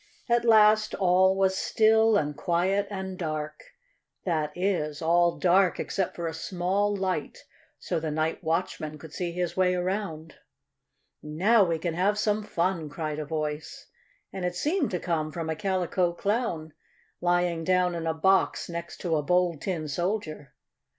At last all was still and quiet and dark that is, all dark except for a small light, so the night watchman could see his way around. "Now we can have some fun!" cried a voice, and it seemed to come from a Calico Clown, lying down in a box next to a Bold Tin Soldier.